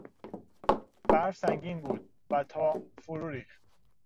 برف سنگین بود و تاق فرو ریخت.